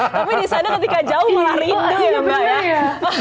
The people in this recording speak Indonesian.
tapi di sana ketika jauh malah rindu ya mbak ya